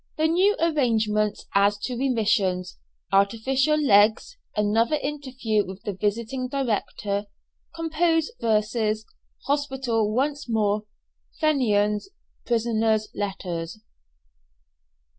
THE NEW ARRANGEMENTS AS TO REMISSIONS ARTIFICIAL LEGS ANOTHER INTERVIEW WITH THE VISITING DIRECTOR COMPOSE VERSES HOSPITAL ONCE MORE FENIANS PRISONERS' LETTERS.